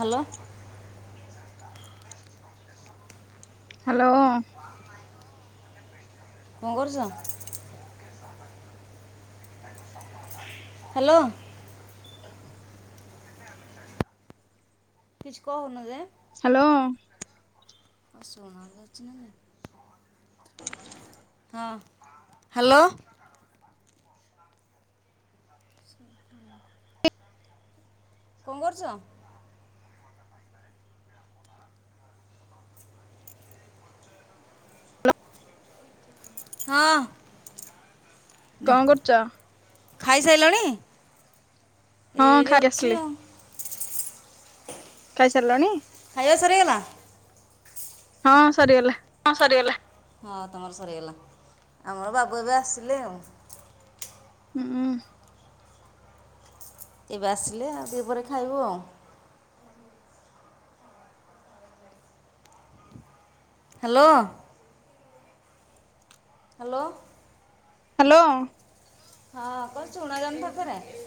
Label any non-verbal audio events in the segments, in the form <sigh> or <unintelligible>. Hello. Hello. କଣ କରୁଛ? Hello. କିଛି କହୁନ ଯେ? ହାଲୋ। ଆ ସୋନା ଲଚନା <unintelligible> <inaudible> ହଁ, କଣ କରୁଛ? ହଁ। କଣ କରୁଛ? ଖାଇସାରିଲଣି? ହଁ ଖାଇକି ଆସିଲି। ଖାଇସାରିଲଣି? ଖାଇବା ସରିଗଲା? ହଁ, ସରିଗଲା। ହଁ, ସରିଗଲା। ହୁଁ ହଁ <unintelligible> ଏବେ ଆସିଲେ, ଆଉ ଟିକେ ପରେ ଖାଇବୁ ଆଉ। ହାଲୋ। ହାଲୋ। ହାଲୋ। ହଁ, ଶୁଣା ଯାଉନି ଥରେ ଥରେ।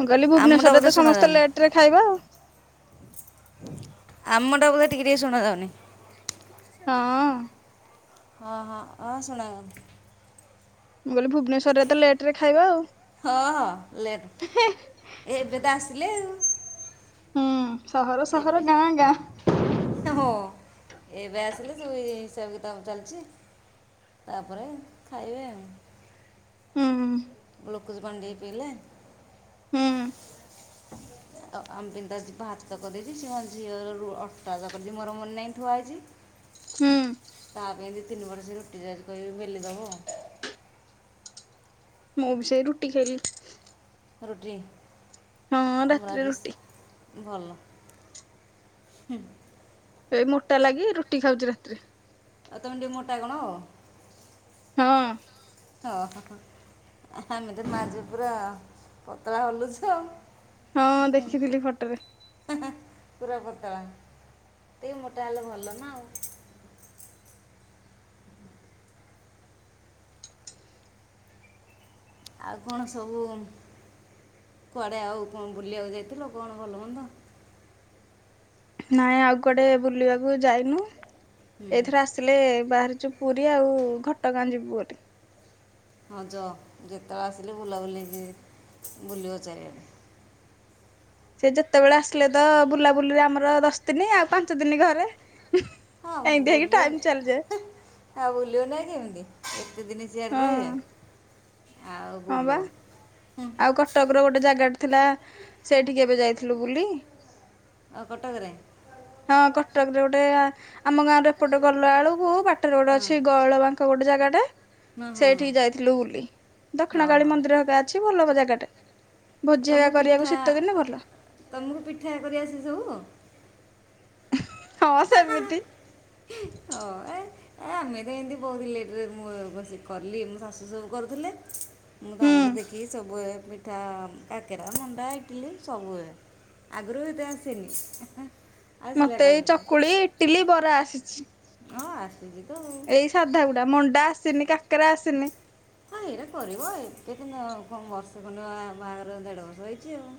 ମୁଁ କହିଲି ଆମଟା ଭୁବନେଶ୍ୱରରେ ବୋଧେ ତ ସମସ୍ତେ ଶୁଣାଯାଉନି ଲେଟରେ ଖାଇବ ଆଉ। ଆମଟା ବୋଧେ ଟିକେ ଟିକେ ଶୁଣା ଯାଉନି। ହଁ ହଁ ହଁ ହ ସୁଣା <unintelligible> ମୁଁ କହିଲି ଭୁବନେଶ୍ଵରରେ ତ ଲେଟରେ ଖାଇବା ଆଉ। ଏ ଏବେ ତ ଆସିଲେ ଆଉ। ହୁଁ, ସହର, ଏବେ ସହର, ଗାଁ, ଗାଁ। ହଁ ଏବେ ଆସିଲେ ସବୁ ହିସାବ କିତାବ ଚାଲିଚି। ତାପରେ ଖାଇବେ ଆଉ। ହୁଁ। ଗ୍ଲୋକଜ ପାଣି ଟିକେ ପିଇଲେ। ହୁଁ ତ ଆମବିତାଜି ବାାତ <unintelligible> କରିଦେଇଚି। ଝିମାନେ <unintelligible> ଝିଅ ର ଅଟା କରିଦ ମୋର ମନେ ନାହିଁ ଥୁଆ ହେଇଛି ହୁଁ ତା ପାଇଁ ଦି, ତିନ ପଟ ସେ ରୁଟି ଯାଉଛି କହିବି ବେଲି ଦବ। ମୁଁ ବି ସେଇ ରୁଟି ଖାଇଲି। ରୁଟି, ହଁ ଆମ ରାତିରେ ରୁଟି। ରାଜେଶ ଭଲ, ହୁଁ ଏଇ ମୋଟା ଲାଗି ରୁଟି ଖାଉଛି ରାତିରେ। ଆଉ ତମେ ଟିକେ ମୋଟା କଣ? ହଁ। ଓହୋ ଆମେ ତ ମା ଝିଅ ପୁର ପତଳା ହଲୁଚୁ ଆଉ। ହଁ, ଦେଖିଥିଲି ଫଟରେ। ହେହେଁ ପୁରା ପତଳା, ଟିକେ ମୋଟା ହେଲେ ଭଲ ନା ଆଉ। ଆଉ କଣ ସବୁ କୁଆଡ଼େ ଆଉ କଣ ବୁଲିବାକୁ ଯାଇଥିଲ, କଣ ଭଲ ମନ୍ଦ? ନାଇଁ ଆଉ କୁଆଡେ ବୁଲିବାକୁ ଯାଇନୁ। ହୁଁ ଏଥର ଆସି ଆସିଲେ, ବାହାରିଚୁ ପୁରୀ ଆଉ ଘଟଗାଁ ଯିବୁ ବୋଲି। ହଁ ଯଅ ଯେତେବେଳେ ଆସିଲି ବୁଲାବୁଲି କି ବୁଲିବ ଚାରିଆଡ଼େ। ସେ ଯେତେବେଳେ ଆସିଲେ ତ ବୁଲାବୁଲିରେ ଆମର ଦଶ ଦିନ, ଆଉ ପାଞ୍ଚ ଦିନ ଘରେ। ହଁ ଏଇନ୍ତି ହେଇ କି ବୁଲିବ ଟାଇମ ନି- ଚାଲିଯାଏ। ଆଉ ବୁଲିବ ନାଁଇ କେମିତି, ଏତେ ଦିନ ହଁ ସିଆଡଡେ ରହିବେ। ଆଉ ହଁ ବା, ବୁଲିବ ହୁଁ ଆଉ କଟକର ଗୋଟେ ଜାଗାଟେ ଥିଲା ସେଇଠିକି ଏବେ ଯାଇଥିଲୁ ବୁଲି। ଓ କଟକରେ? ହଁ, କଟକ ରେ ଗୋଟେ ଆ ଆମ ଗାଁ ଏପଟେ ଗଲା ବେଳକୁ ବାଟରେ ଗୋଟେ ହଁ ଅଛି ଗହଳ ବାଙ୍କ କ ଗୋଟେ ଜାଗା ଟା, ହଁ ହଁ ହଁ ସେଇଠିକି ଯାଇଥିଲୁ ବୁଲି। ହଁ ଦକ୍ଷିଣକାଳୀ ହଁ ମନ୍ଦିର ହେକା ଅଛି ଭଲ ହବ ଜାଗାଟେ। ଭୋଜି ହେକା କରିବାକୁ ଶୀତଦିନେ ଭଲ। ତମକୁ ପିଠା କରିଆସେ ସବୁ? ହଁ, ସେମିତି। ହୁଁ, ହଁ ଏ ଏ ଆମେ ତ ଏମିତି ବହୁତ ଲେଟରେ ମୁଁ ବସି କଲିି, ମୋ ଶାଶୁ ସବୁ କରୁଥିଲେ। ମୁଁ ହୁଁ ତାଙ୍କଠୁ ଦେଖିକି ସବୁ ପିଠା କାକେରା, ମଣ୍ଡା, ଇଟିଲି ସବୁ ଏ ଆଗରୁ ହେଇଥି ପାଇଁ ଆସିନି। ମତେ ଏ ଚକୁଳି, ଇଟିଲି, ବରା ଆସିଚି। ହଁ, ଆସୁଚି ତ ଆଉ। ଏଇ ସାଧା ପିଠା ମଣ୍ଡା ଆସିନି। କା କାକରା ଆସିନି। ହଁ ଏଇଟା କରିବ ଏତେ କିନ୍ତୁ କଣ ବର୍ଷେ କ ନ ବାହାଘର ଦେଢ଼ ବର୍ଷ ହେଇଛି ଆଉ।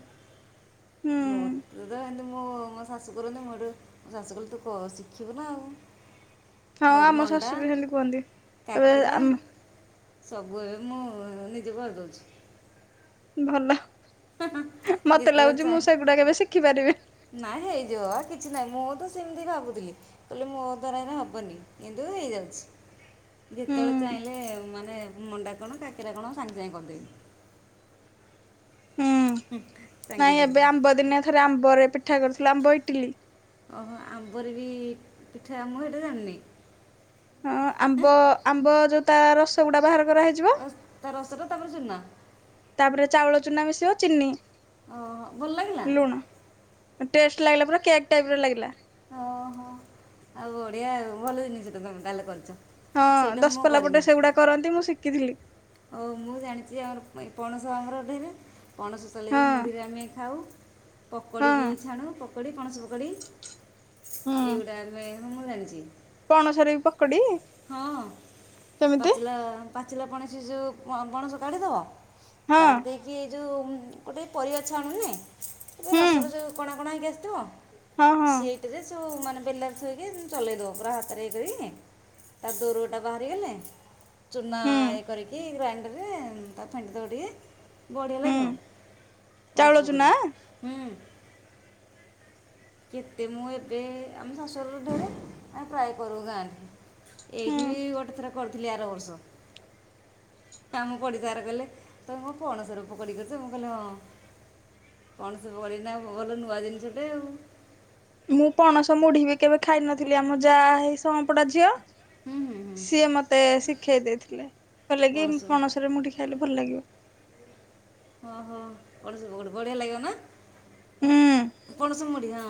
ହୁଁ ମୋତେ ତ ଏତି ମୁଁ ମୋ ଶାଶୁ କରନ୍ତି ମୋ ଏଠୁ ମୋ ଶାଶୁ କହିଲେ ତୁ ଶିଖିବୁ ନା ଆଉ। ହଁ ମୁଁ ସେଠୁ ଆମ ମଣ୍ଡା ଶାଶୁ ବି ସେମିତି କୁହନ୍ତି। କହିବେ କାକେରା ଆମ ସବୁ ଏବେ ମୁଁ ନିଜେ କରି ଦେଉଛି। ଭଲ ମତେ ଲାଗୁଛି ମୁଁ ସେଗୁଡା କେବେ ଶିଖିପାରିବି ନି। ନାଇଁ ହେଇଯିବ କିଛି ନାହିଁ ମୁଁ ତ ସେମିତି ଭାବୁଥିଲି। କହିଲି ମୋ ଦ୍ୱାରା ହେରା ହବନି, କିନ୍ତୁ ହେଇ ଯାଉଛି। ହୁଁ ଯେତେବେଳେ ଚାହିଁଲେ ମାନେ ମଣ୍ଡା କଣ କାକରା କଣ ସାଙ୍ଗେ ସାଙ୍ଗେ କରିଦେବି। ହୁଁ ହୁଁ। ସାଙ୍ଗେ ନାଇଁ ଏବେ ସାଙ୍ଗେ ଆମ୍ବ ଦିନେ ଆ ଥରେ ଆମ୍ବ ରେ ପିଠା କରୁଥିଲି ଆମ୍ବ ଇଟିଲି ଓହୋ ଆମ୍ବର ବି ପିଠା ମୁଁ ସେଇଟା ଜାଣିନି। ହଁ ଆମ୍ବ ଆମ୍ବ ଯୋଉ ତା ରସ ଗୁଡା ବାହାର କରାହେଇଯିବ ଓହ ତା ରସଟା ତାପରେ ଚୁନା ତାପରେ ଚାଉଳ ଚୁନା ମିଶିବ, ଚିନି ଓହୋ ଭଲ ଲାଗିଲା ଲୁଣ ଟେଷ୍ଟ ଲାଗିଲା ପୁରା କେକ୍ ଟାଇପ୍ ର ଲାଗିଲା। ଓ ହୋ ଆଉ ବଢିଆ ଭଲ ଜିନିଷଟା ତମେ ତାହେଲେ କରିଛ। ହଁ ସେଇଟା ମୁଁ ଦଶପଲା ପଟେ କରିନି ସେଗୁଡା କରନ୍ତି ମୁଁ ଶିଖିଥିଲି। ହଉ ମୁଁ ଜାଣିଛି ଆମର ପଣସ ଆଙ୍କର ଅଠେଇରେ ପଣସ ସଲେଇ ହଁ ମୁଢ଼ିରେ ଆମେ ଖାଉ। ହଁ ପକୋଡ଼ି ବି ଛାଣୁ ପକୋଡ଼ି ପଣସ ପକୋଡ଼ି। ହୁଁ। ଏଉଡା ପଣସରେ ବି ପକୋଡି <unintelligible> ହଁ କେମିତି ପାଚିଲା ପାଚିଲା ପଣସ ଯୋଉ ପଣସ କାଢ଼ିଦେବା। ହଁ କାଢ଼ି ଦେଇକି ଜି ଏ ଯେଉଁ ଗୋଟେ ପରିବା ଛାଆଣୁନେ ଏବେ ହୁଁ ରସ ର ଯୋଉ କଣା କଣା ହେଇକି ଆସିଥିବ ହଁ ହଁ ସେ ରେ ସବୁ ମାନେ ବେଲାରେ ଥୋଇକି ଚଲେଇଦବ ପୁରା ହାତରେ ହେଇକିରି। ତା ଦୋରୁଅ ଟା ବାହାରିଗଲେ ଚୂନା ହୁଁ ଇଏ କରିକି ଗ୍ରାଇଣ୍ଡରରେ ତା ଫେଣ୍ଡି ଦବ ଟିକେ। ବଢ଼ିଆ ହୁଁ। ଲାଗିବ ଚାଉଳ ପଣସ ପକୋଡ଼ି। ଚୁନା ହୁ। କେତେ ମୁଁ ଏବେ ଆମ ଶାଶୁରରୁ ଦୂର ଆମେ ଟ୍ରାଏ କରିବୁ ଗାଁରେ। ହୁଁ ଏଇଠି ଗୋଟେ ଥରେ କରିଥିଲି ଆର ବର୍ଷ। କାମ ପ ତାର କହଲେ ତମେ କଣ ପଣସ ରୁ ପକୁଡି କରୁଛ, ମୁଁ କହିଲି ହଁ। କଣ ସବୁ <unintelligible> ଭଲ ନୂଆ ଜିନିଷଟେ ଆଉ। ମୁଁ ପଣସ ମୁଢି ବି କେବେ ଖାଇ ନଥିଲି ଆମ ଯାହା ହେଇ ସୁଆଁ ପଡା ଝିଅ। ହୁଁ ହୁଁ ସିଏ ମତେ ଶିଖେଇ ଦେଇଥିଲେ। କହିଲେ କି ପଣସ ପଣସରେ ମୁଢି ଖାଇଲେ ଭଲ ଲାଗିବ ଓହୋ ପଣସ ପକୁଡି ବଢିଆ ଲାଗିବ, ହୁଁ ନା ପଣସ ମୁଢି ହଁ।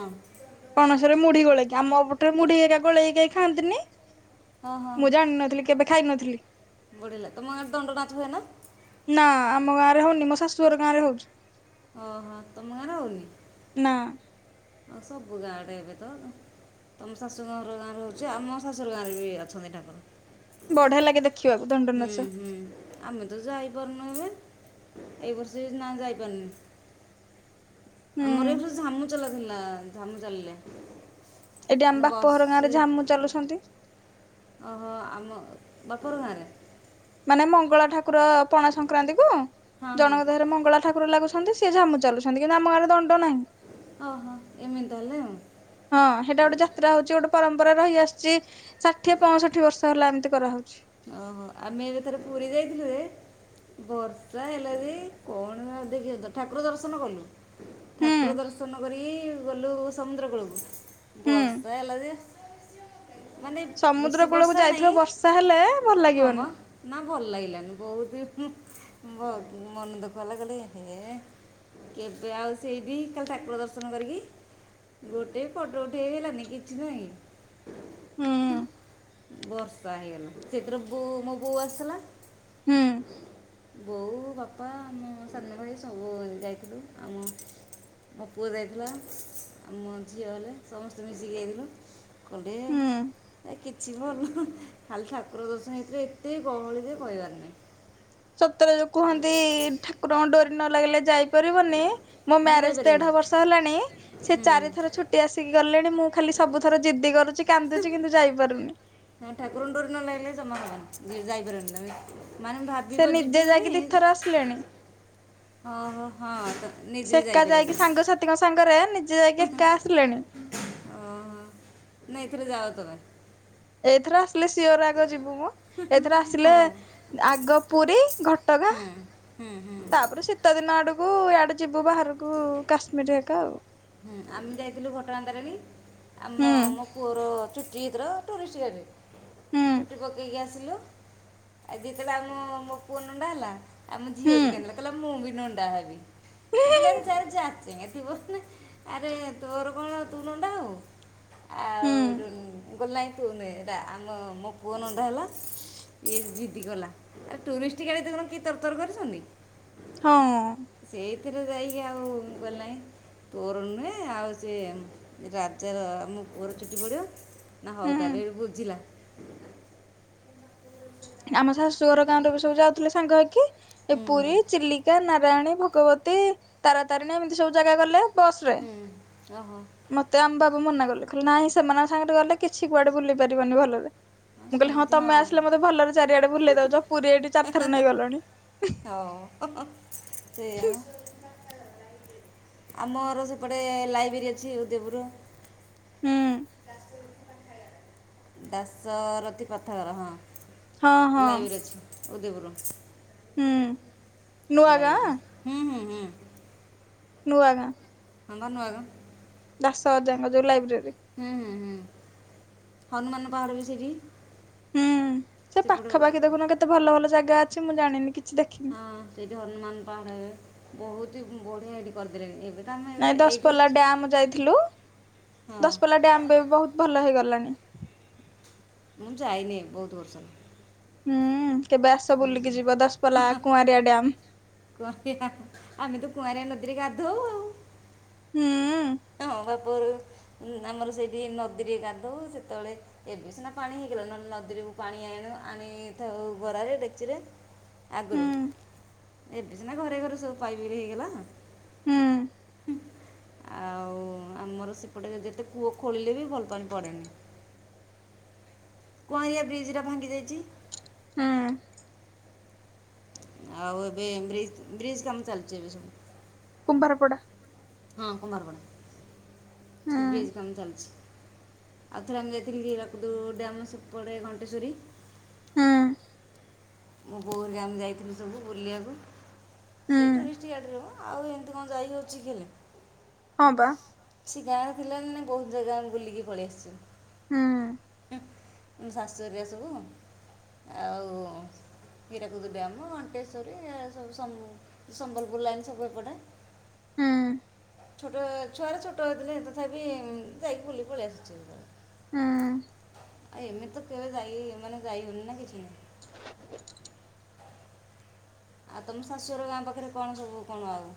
ପଣସରେ ମୁଢି ଗୋଳେଇକି, ଆମ ପଟରେ ମୁଢି ଏରା ଗୋଳେଇକି କେହି ଖାଆନ୍ତିନି। ହଁ ମୁଁ ଜାଣିନଥିଲି କେବେ ଖାଇ ନଥିଲି। ବଢିଲ ତମ ଗାଁରେ ଦଣ୍ଡ ନାଚ ହୁଏନା? ନା ଆମ ଗାଁରେ ହଉନି ମୋ ଶାଶୁ ଘର ଗାଁ ରେ ହଉଛି। ଓହୋ ତମ ଗାଁରେ ହଉନି? ନା। ହ ସବୁ ଗାଁଡେ ଏବେ ତ ତମ ଶାଶୁ ଘର ଗାଁର ହଉଛି। ଆଉ ଆମ ଶାଶୁୁର ଘର ଗାଁରେ ବି ଅଛନ୍ତି ଠାକୁର। ବଢିଆ ଲାଗେ ଦେଖ ଖିବାକୁ ଦଣ୍ଡ ହୁଁ ନାଚ ହୁଁ ଆମେ ତ ଯାଇପାରୁନୁ ଏବେ ଏଇ ବର୍ଷ ନା ଯାଇପାରୁନୁ। ହୁଁ ଆମର ଏ ବର୍ଷ ଝାମୁ ଚଲା ଥିଲା ଝାମୁ ଚାଲିଲେ। ଏଟି ଆମ ମାନେ ବାପ ଘର ଗାଁ ରେ ବର୍ଷେ ଝାମୁ ଚାଲୁଶନ୍ତି। ଅହ ଆମ ବାପ ଘର ଗାଁରେ। ମାନେ ମଙ୍ଗଳା ଠାକୁର ପଣା ସଂକ୍ରାନ୍ତି କୁ ହଁ ହଁ ଜଣଙ୍କ ଦେହରେ ମଙ୍ଗଳା ଠାକୁର ଲାଗୁଶ ଛନ୍ତି ସିଏ ଝାମୁ ଚାଲୁଛନ୍ତି କିନ୍ତୁ ଆମ ଗାଁରେ ଦଣ୍ଡ ନାହିଁ। ଓହୋ ଏମିତି ତା ହେଲେ ଆଉ। ହଁ ହେଟା ଗୋଟେ ଯାତ୍ରା ହଉଚି ଗୋଟେ ପରମ୍ପରା ରହିଆସ୍ ଚି ଷାଠିଏ ପଅଷଠି ବର୍ଷ ହେଲା ଏମିତି କରାହଉଚି। ଓହୋ ଆମେ ଏବେ ଥରେ ପୁରୀ ଯାଇଥିଲୁ ଯେ ବର୍ଷା ହେଲା ଯେ କଣ ନ ଦେଖିବ ତ ଠାକୁର ଦର୍ଶନ କଲୁ। ହୁଁ ଠାକୁର ଦର୍ଶନ କରିକି ଗଲୁ ସମୁଦ୍ର କୂଳକୁ। ହୁଁ ବର୍ଷା ହେଲା ଯେ ମାନେ ବେଶୀ ବର୍ଷା ନାଇଁ ତା ହେଲେ ଭଲ ଲାଗିବନି। ନା ଭଲ ଲାଗିଲାନି ବହୁତ ହୁଁ ବହୁ ମନ ଦୁଃଖ ହେଲା କହିଲେ ଏହେ କେବେ ଆଉ ସେଇଠି କାଲି ଠାକୁର ଦର୍ଶନ କରିକି ଗୋଟେ ଫଟୋ ଉଠେଇ ହେଲାନି କିଛି ନାହିଁ। ହୁଁ। ବର୍ଷା ହେଇଗଲା ସେଥିରେ ବୋଉ ମୋ ବୋଉ ଆସିଥିଲା। ହୁଁ। ବୋଉ, ବାପା, ମୋ ସାନ ଭାଇ ସବୁ ଯାଇଥିଲୁ ଆମ ମୋ ପୁଅ ଯାଇଥିଲା ଆଉ ମୋ ଝିଅ ହେଲେ ସମସ୍ତେ ମିଶିକି ଯାଇଥିଲୁ। ହୁଁ କୋଲଡ଼ିଏ ଏ କିଛି ଭଲ ଖାଲି ଠାକୁ ପ୍ରଦର୍ଶନୀ ଭିତରେ ଏତେ ଗହଳି ଯେ କହିବାର ନାହିଁ। ସତରେ ଯୋଉ କୁହନ୍ତି ଠାକୁରଙ୍କ ଡୋରି ନ ଲାଗିଲେ ଯାଇ <unintelligible> ବନି ମୋ ନା ମ୍ୟାରେଜ ଯାଇପାରିବନି ଦେଢ ବର୍ଷ ହେଲାଣି ସେ ହୁଁ ଚାରି ଥର ଛୁଟି ଆସିକି ଗଲେଣି ମୁଁ ଖାଲି ସବୁ ଥର ଜିଦ୍ଦି କରୁଚି କାନ୍ଦୁଚି କିନ୍ତୁ ଯାଇପାରୁନି। ହଁ ଠାକୁର ଙ୍କ ଡୋରି ନ ଲାଇଲେ ଜମା <inaudible> ଯାଇ ପାରିବନି ତମେ। ମାନେ ସେ ଭାବିବ ନିଜେ ଯିବି ବୋଲି ଯାଇକି ଦିଥର ଆସିଲେଣି। ଓ ହୋ ହଁ ସେ ନିଜେ ଏକା ଯାଇକି ଯାଇପାରିବନି। <unintelligible> ସାଙ୍ଗରେ ନିଜେ ଯାଇକି ଏକା ଆସିଲେଣି। ଓହୋ ନାଇଁ ଏଥର ଯାଅ ତମେ। ଏଇଥର ଆସିଲେ ସିଓର ଆଗ ଯିବୁ ମ ଏଥର ଆସିଲେ ହଁ ଆଗ ପୁରୀ ଘଟଗାଁ ହୁଁ ହୁଁ ହୁଁ। <unintelligible> ଆଡକୁୁ ଇଆଡେ ଯିବୁ ବାହାରକୁ କାଶ୍ମୀର ହେକା। ହୁଁ ଆମେ ଯାଇଥିଲୁ ଘଟଗାଁ ତାରିଣୀ ଆମ ହୁଁ ମୋ ପୁଅର ଚୁଟି <unintelligible> ଟୁରିଷ୍ଟ ହୁଁ ଗାଡ଼ିରେ ଚୁଟି ପକେଇକି ଆସିଲୁ। ଆଉ ଯେତେବେଳେ ଆମ ମୋ ପୁଅ ନଣ୍ଡା ହେଲା ଆମ ଝିଅ ହୁଁ ବି କିନ୍ଦିଲା କହିଲା ମୁଁ ବି ନଣ୍ଡା ହେବି। ମୁଁ କହିଲି ଆରେ ଯାହାର <unintelligible> ଥିବ ନା ଆରେ ତୋର କଣ ତୁ ନଣ୍ଡା ହେବୁ। ହୁଁ ଆଉ ଏଠୁ ଗଲା ତୁନି ହେଲା ଆମ ମୋ ପୁଅ ନଣ୍ଡା ହେଲା। ଇଏ ଜିଦିକଲା ଆ ଟୁରିଷ୍ଟି ଗାଡି <unintelligible> ତରତର କରୁଚନ୍ତି। ହଁ ସେଇଥିରେ ଯାଇକି ଆଉ ମୁଁ କହିଲି, ନାଇଁ। ତୋର ନୁହେଁ ଆଉ ସେ ରାଜାର ଆମ ପୁଅର ଛୁଟି ପଡ଼ିବ ହଉ ହୁଁ ତା ହେଲେ ବୁଝିଲା। ଆମ ଶାଶୁ ଘର ଗାଁଲୋକ ସବୁ ଯାଉଥିଲେ ସାଙ୍ଗହେଇକି ଏ ହୁଁ ପୁରୀ ଚିଲି କିଆ ନାରାୟଣୀ ଭଗବତୀ ତାରାତାରିଣୀ ଏମିତି ସବୁ ଜାଗା ଗଲେ। ବସରେ। ହୁଁ ଓହୋ ମତେ ଆମ୍ ବାବୁ ମନା କଲେ ଖା ନାଇଁ ସେମାନଙ୍କ ସାଙ୍ଗରେ ଗଲେ କିଛି କୁଆଡେ ବୁଲି ପାରିବନି ଭଲରେ। ଆଁ ସେମିତି ହଁ। ହେଲେ ମତେ ଭଲରେ ଚାରିଆଡେ ଭୁଲେଇ ଦଉଚ ପୁରୀ ଏଠି ଚାରିଥର ନେଇଗଲଣି। ହଉ ସେଇଆ ଆମର ସେପଟେ ଲାଇବ୍ରେରୀ ଅଛି ଉଦଇପୁରୁ। ହୁଁ। ଦାସରଥୀ ପଥର ହଁ ହଁ ହଁ ଲାଇବରି ଅଛି ଉଦଇପୁରୁ। ହୁଁ। ନୂଆ ଗାଁ ଲାଇବିରି ହୁଁ ହୁଁ ହୁଁ। ନୁଆ ଗାଁ। ହଁ ବା ନୁଆଗାଁ। ଦାଶ ଅଜା ଙ୍କ ଯୋଉ ଲାଇବ୍ରେରୀ। ହୁଁ ହୁଁ ହୁଁ ହନୁମାନ ବାହାରିବେ ସେଇଠି। ହୁଁ ସେ ପାଖାପାଖି ସେପଟେ ଦେଖୁନ କେତେ ଭଲ ଭଲ ଜାଗା ଅଛି ମୁଁ ଜାଣିନି କିଛି ଦେଖି ହଁ ସେଇଠି ହନୁମାନ ପାହାଡ ହେବେ ବହୁତୁ ବଢିଆ ଏଇଠି କରିଦେଲେଣି ଏବେ। ତ ଆମେ ଏବେ ନାଇଁ ଏଇଠି ଦଶପଲ୍ଲା ଡ୍ୟାମ୍ ଯାଇଥିଲୁ ହଁ ଦଶପଲ୍ଲା ଡ୍ୟାମ୍ ବି ବହୁତୁ ଭଲ ହେଇଗଲାଣି। ମୁଁ ଯାଇନି ବହୁତୁ ବର୍ଷ ହେଲା। ହୁଁ କେବେ ଆସ ବୁଲିକି ଯିବ ଦଶପ୍ଲା କୁଆଁରିଆ ଡ୍ୟାମ। କୁଆଁରିଆ ଆମେ ତୁ କୁଆଁରିଆ ନଦୀରେ ଗାଧଉ ଆଉ। ହୁଁଉ। ହଁ ବା ପୁରୁ ଆମର ସେଇଠି ନଦୀରେ ଗାଧଉ ସେତେବେଳେ ଏବେ ସିନା ପାଣି ହେଇଗଲା ନହେଲେ ନଦୀରେ ପାଣି ଆଇଣୁ ଆଣିଥାଉ ଗରାରେ ଡେକ୍ଚିରେ। ଆଗରୁ ହୁଁ ଏବେ ସିନା ଘରେ ଘରେ ସବୁ ପାଇପି ହେଇଗଲା। ହୁଁ। ଆଉ ଆମର ସେପଟେ ଯଦି ଯେତେ କୂଅ ଖୋଳିଲେ ବି ଭଲ ପାଣି ପଡ଼େନି। କୁଆଁରିଆ ବ୍ରିଜ୍ ଟା ଭାଙ୍ଗି ଯାଇଚି। ହୁଁ। ଆଉ ଏବେ ବ୍ରିଜ ବ୍ରିଜ କାମ ଚାଲିଚିଏବେସବୁ। କୁମ୍ଭର ପଡ଼ା। ହଁ ହୁଁ କୁମାରପଡା ବ୍ରିଜି କାମ ଚାଲିଚି। ଆଉଥରେ ଆମେ ଯାଇଥିଲୁ ହୀରାକୁଦୁ ଡ୍ୟାମ୍ ସେପଡ଼େ ଘଣ୍ଟେଶ୍ୱରୀ। ହୁଁ ମୁଁ ବୋଉ ହେଇକା ଆମେ ଯାଇଥିଲୁ ସବୁ ବୁଲିବାକୁ ହୁଁ ସେଇ <unintelligible> ଟୁରିଷ୍ଟ ଗାଇଡ଼ରେ ହବ ଆଉ ହେନ୍ତି କଣ ଯାଇ ହେଉଚି କିଲି। ହଁ ପାଁ। ସେ ଗାଁରେ ଥିଲା ନା ବହୁତୁ ଜାଗା ବୁଲିକି ପଳେଇ ଆସିଛୁ। ହୁଁ। ହୁଁ, ଶାଶୁ ହେରିକା ସବୁ ଆଉ ହୀରାକୁଦୁ ଡ୍ୟାମ ଅଣ୍ଟେଶ୍ୱରୀ ସବୁ ସ ସମ୍ବଲପୁର ଲାଇଣି ସବୁ ଏପଟେ। ହୁଁ। ଛୋଟ ଛୁଆରେ ଛୋଟ ହେଇଥିଲେ ତଥାପି ଯାଇକି ବୁଲିକି ପଳେଇ ଆସୁଚୁ। ହୁଁ। ଆ ଏମିତି ତ କେବେ ଯାଇ ମାନେ ଯାଇ ହଉନି ନା କିଛି ନାହିଁ। ଆଉ ତମ ଶାଶୁଘର ଗାଁ ପାଖରେ କଣ ସବୁ, କଣ ଆଉ?